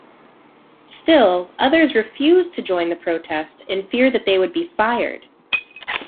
Still, others refused to join the protest in fear that they would be fired.